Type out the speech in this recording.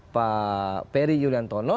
pak peri yuliantono